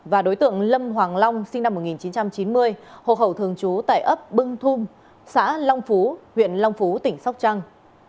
và đối tượng lâm hoàng long sinh năm một nghìn chín trăm chín mươi hồ khẩu thường trú tại ấp bưng thung xã long phú huyện long phú tỉnh sóc trăng